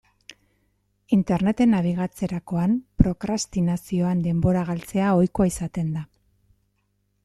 Interneten nabigatzerakoan, prokrastinazioan denbora galtzea ohikoa izaten da.